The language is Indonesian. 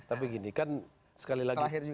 tapi gini kan sekali lagi